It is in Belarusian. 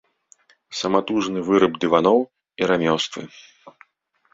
Саматужны выраб дываноў і рамёствы.